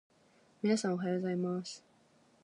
皆さん、おはようございます。